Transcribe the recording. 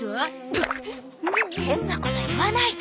ブッ変なこと言わないで！